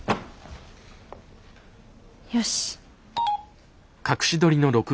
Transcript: よし。